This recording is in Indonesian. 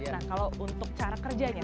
nah kalau untuk cara kerjanya